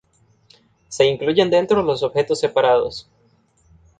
Se incluyen dentro los objetos separados.